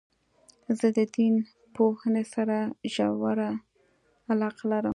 زه د دین پوهني سره ژوره علاقه لرم.